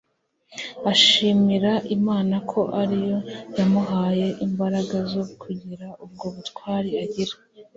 ashimira imana ko ari yo yamuhaye imbaraga zo kugira ubwo butwari agira